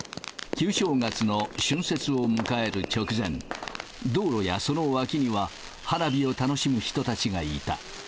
旧正月の春節を迎える直前、道路やその脇には花火を楽しむ人たちがいた。